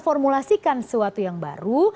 formulasikan sesuatu yang baru